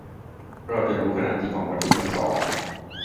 - เราจะรู้ขนาดจริงของวัตถุทั้งสอง